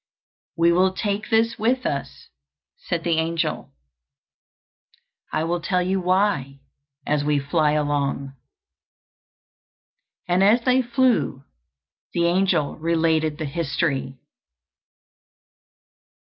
"We will take this with us," said the angel, "I will tell you why as we fly along." And as they flew the angel related the history.